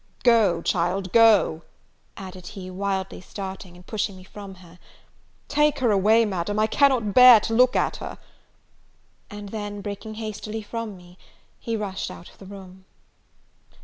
Go, child, go," added he, wildly starting, and pushing me from him: "take her away, Madam, I cannot bear to look at her!" And then, breaking hastily from me, he rushed out of the room.